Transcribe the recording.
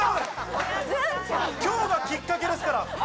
今日がきっかけですから。